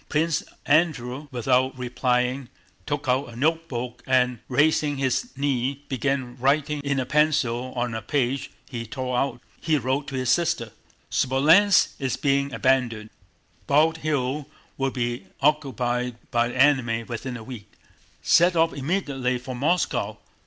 Prince Andrew without replying took out a notebook and raising his knee began writing in pencil on a page he tore out. He wrote to his sister: "Smolénsk is being abandoned. Bald Hills will be occupied by the enemy within a week. Set off immediately for Moscow.